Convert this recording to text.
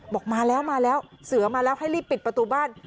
บอกมาแล้วมาแล้วเสือมาแล้วให้รีบปิดประตูบ้าน